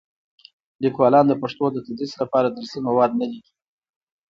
لیکوالان د پښتو د تدریس لپاره درسي مواد نه لیکي.